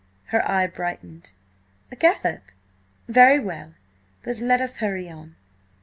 Her eye brightened. "A gallop? Very well! But let us hurry on."